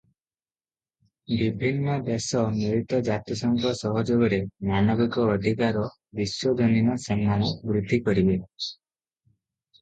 ବିଭିନ୍ନ ଦେଶ ମିଳିତ ଜାତିସଂଘ ସହଯୋଗରେ ମାନବିକ ଅଧିକାର ବିଶ୍ୱଜନୀନ ସମ୍ମାନ ବୃଦ୍ଧିକରିବେ ।